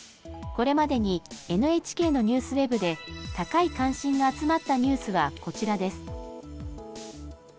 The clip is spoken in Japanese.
これまでにＮＨＫのニュースウェブで高い関心が集まったニュースはこちらです。